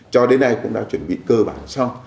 cho đến nay cũng đã chuẩn bị cơ bản xong